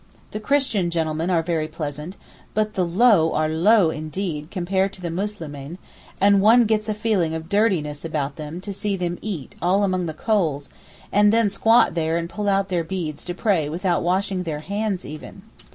The Christian gentlemen are very pleasant, but the low are low indeed compared to the Muslimeen, and one gets a feeling of dirtiness about them to see them eat all among the coals, and then squat there and pull out their beads to pray without washing their hands even.